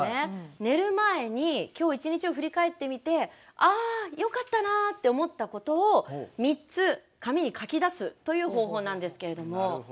寝る前に今日１日を振り返ってみてああ、よかったなって思ったことを３つ紙に書き出す方法です。